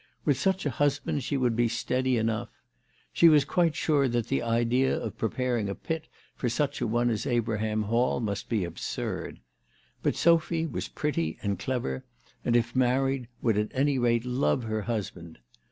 With such a husband she would be steady enough. She was quite sure that the idea of preparing a pit for such a one as Abraham Hall must be absurd. But Sophy was pretty and clever, and if married would at any rate love her husband.